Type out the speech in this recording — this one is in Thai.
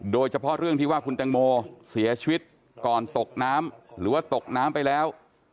โดยเฉพาะเรื่องที่ว่าคุณแตงโมเสียชีวิตก่อนตกน้ำหรือว่าตกน้ำไปแล้ว